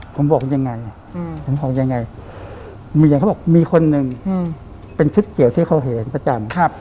ผมบอกยังไงมีคนหนึ่งเป็นชุดเขียวที่เขาเห็นประจำ